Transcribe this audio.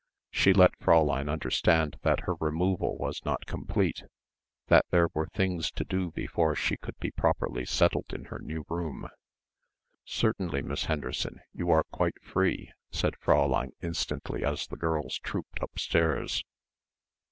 She let Fräulein understand that her removal was not complete, that there were things to do before she could be properly settled in her new room. "Certainly, Miss Henderson, you are quite free," said Fräulein instantly as the girls trooped upstairs.